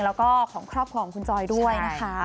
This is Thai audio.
แล้วก็ของครอบครัวของคุณจอยด้วยนะคะ